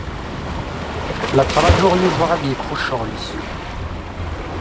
La ttṛajuɣ Yuba ad yekfu ccɣel-is.